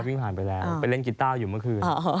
วิ่งผ่านไปแล้วไปเล่นกีต้าอยู่เมื่อคืน